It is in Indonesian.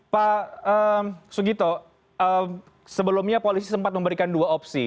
pak sugito sebelumnya polisi sempat memberikan dua opsi